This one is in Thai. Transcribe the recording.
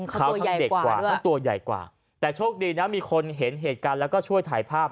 เขาทั้งเด็กกว่าทั้งตัวใหญ่กว่าแต่โชคดีนะมีคนเห็นเหตุการณ์แล้วก็ช่วยถ่ายภาพ